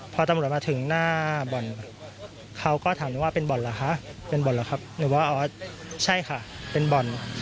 พอตำรวจมาถึงหน้าบ่อนเขาก็ถามได้ว่าเป็นบ่อนเหรอคะเป็นบ่อนเหรอครับหรือว่าอ๋อใช่ค่ะเป็นบ่อน